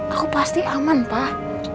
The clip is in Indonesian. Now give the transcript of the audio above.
aku pasti aman pak